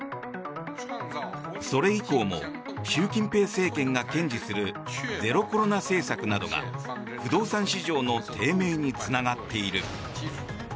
それ以降も習近平政権が堅持するゼロコロナ政策などが不動産市場の低迷につながっている。